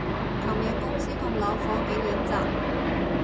尋日公司棟樓火警演習